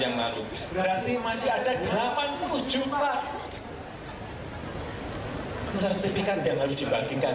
yang lalu berarti masih ada delapan puluh juta sertifikat yang harus dibagikan